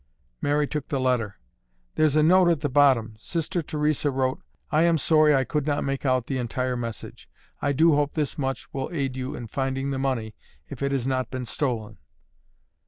Mary took the letter. "Here's a note at the bottom. Sister Theresa wrote, 'I am sorry I could not make out the entire message. I do hope this much will aid you in finding the money if it has not been stolen.